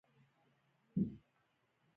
بحثونه رسنیو کې جوړېږي